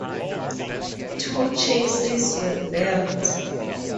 Two chassis were built.